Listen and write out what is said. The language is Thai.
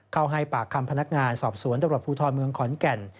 เข้าให้ปากคำพนักงานสอบสวนตำรวจภูทรเมืองขอนแก่น